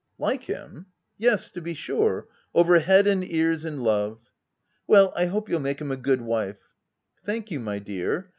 "Like him ! yes, to be sure — over head and ears in love !" "Well, I hope you'll make him a good wife/' " Thank you, my dear